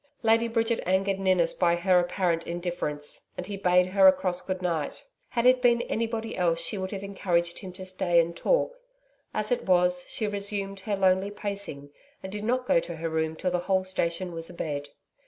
Lady Bridget angered Ninnis by her apparent indifference, and he bade her a cross good night. Had it been anybody else she would have encouraged him to stay and talk. As it was, she resumed her lonely pacing, and did not go to her room till the whole station was abed.